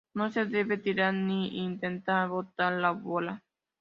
No se debe tirar ni intentar botar la bola.